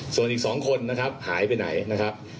ส่วนอีก๒คนนะครับหายไปไหนนะครับ